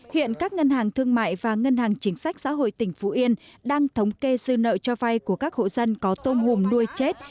hiện các ngân hàng thương mại và ngân hàng chính sách xã hội tỉnh phú yên đang thống kê dư nợ cho vay của các hộ dân có tôm hùm nuôi chết